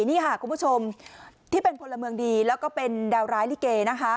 นี่ค่ะคุณผู้ชมที่เป็นพลเมืองดีแล้วก็เป็นดาวร้ายลิเกนะคะ